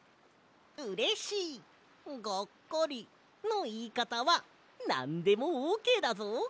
「うれしい」「がっかり」のいいかたはなんでもオーケーだぞ！